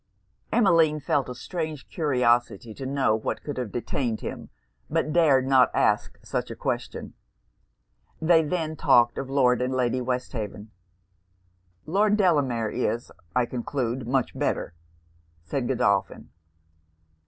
Emmeline felt a strange curiosity to know what could have detained him; but dared not ask such a question. They then talked of Lord and Lady Westhaven. 'Lord Delamere is, I conclude, much better?' said Godolphin.